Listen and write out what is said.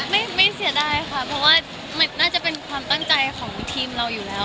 ไม่เสียดายค่ะเพราะว่ามันน่าจะเป็นความตั้งใจของทีมเราอยู่แล้ว